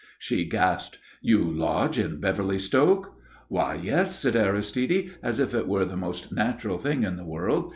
She gasped. "You lodge in Beverly Stoke?" "Why yes," said Aristide, as if it were the most natural thing in the world.